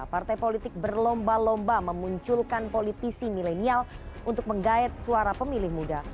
partai politik berlomba lomba memunculkan politisi milenial untuk menggait suara pemilih muda